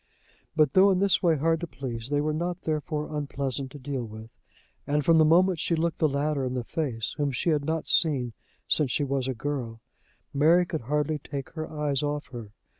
But, though in this way hard to please, they were not therefore unpleasant to deal with; and from the moment she looked the latter in the face, whom she had not seen since she was a girl, Mary could hardly take her eyes off her.